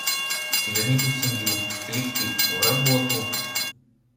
И вернитесь в семью, в коллектив, в работу!